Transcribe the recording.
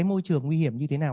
môi trường nguy hiểm như thế nào